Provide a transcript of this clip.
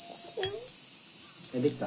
できた？